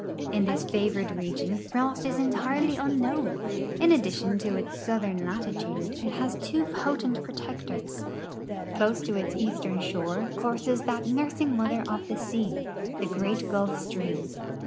In this favored region frost is entirely unknown. In addi tion to its southern latitude, it has two potent protectors. Close to its eastern shore courses that nursing mother of the sea, the great Gulf stream.